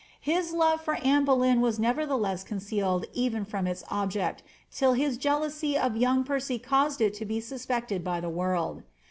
His love foi Anne Boleyn was nevertheless concealed even from its object, till his jealousy of young Percy caused it to be suspected by the world.